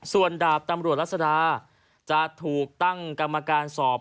ส่วนดาบตำรวจรัศดาจะถูกตั้งกรรมการสอบ